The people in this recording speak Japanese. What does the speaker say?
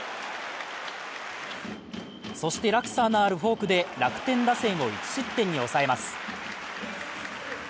そして落差のあるフォークで楽天打線を１失点に抑えます。